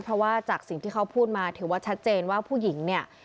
เพราะว่าจากสิ่งที่เขาพูดมาถือว่าชัดเจนว่าผู้หญิงเนี่ย